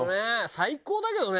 最高だけどね。